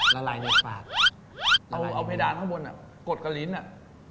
ละลายในปากเอาเพดานข้างบนอ่ะกดกระลิ้นอ่ะ